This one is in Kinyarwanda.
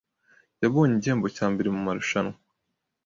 Yabonye igihembo cya mbere mumarushanwa.